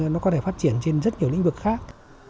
nó có thể phát triển trên rất nhiều lĩnh vực khác